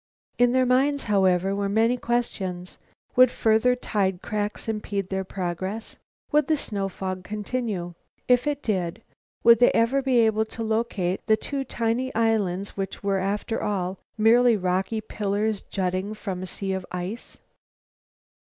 In their minds, however, were many questions. Would further tide cracks impede their progress? Would the snow fog continue? If it did, would they ever be able to locate the two tiny islands which were, after all, mere rocky pillars jutting from a sea of ice?